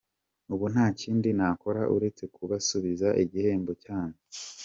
Ubu nta kindi nakora uretse kubasubiza igihembo cyanyu.